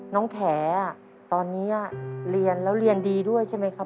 น้องแข๋อ่ะตอนนี้เรียนแล้วเรียนดีด้วยใช่ไหมครับพ่อ